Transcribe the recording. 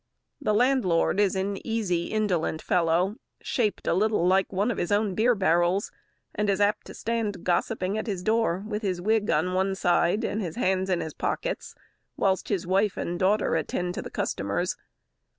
The landlord is an easy, indolent fellow, shaped a little like one of his own beer barrels, and is apt to stand gossiping at his door, with his wig on one side, and his hands in his pockets, whilst his wife and daughter attend to customers.